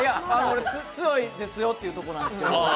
俺、強いですよということなんですけど。